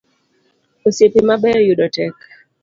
Osiepe mabeyo yudo tek